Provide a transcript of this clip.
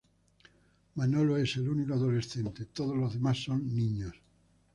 Manolo es el único adolescente, todos los demás son niños.